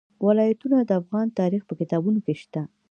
ولایتونه د افغان تاریخ په کتابونو کې شته.